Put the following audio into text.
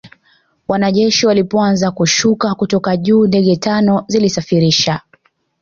wanajeshi walipoanza kushuka kutoka juu Ndege tano zilisafirisha